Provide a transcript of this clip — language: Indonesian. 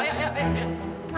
aku nggak jadi makan